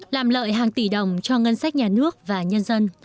làm lợi hàng tỷ đồng cho ngân sách nhà nước và nhân dân